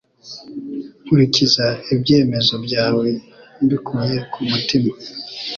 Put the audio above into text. Nkurikiza ibyemezo byawe mbikuye ku mutima